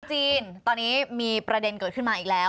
จีนตอนนี้มีประเด็นเกิดขึ้นมาอีกแล้ว